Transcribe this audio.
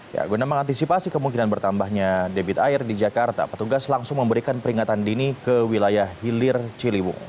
ya guna mengantisipasi kemungkinan bertambahnya debit air di jakarta petugas langsung memberikan peringatan dini ke wilayah hilir ciliwung